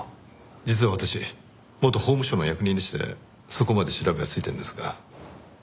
実は私元法務省の役人でしてそこまで調べはついているんですが。